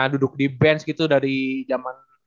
duduk di band gitu dari jaman